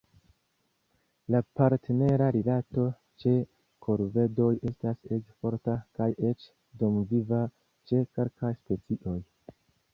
La partnera rilato ĉe korvedoj estas ege forta kaj eĉ dumviva ĉe kelkaj specioj.